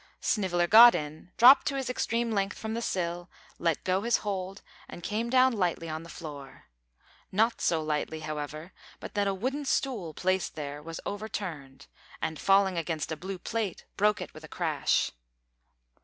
Sniveller got in, dropped to his extreme length from the sill, let go his hold, and came down lightly on the floor not so lightly, however, but that a wooden stool placed there was overturned, and, falling against a blue plate, broke it with a crash.